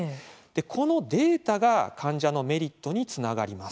このデータが患者のメリットにつながります。